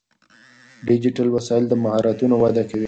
ډیجیټل وسایل د مهارتونو وده کوي.